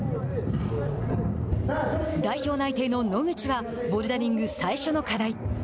代表内定の野口はボルダリング最初の課題。